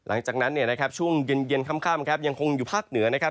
หลังจากนั้นเนี่ยนะครับช่วงเย็นค่ำครับยังคงอยู่ภาคเหนือนะครับ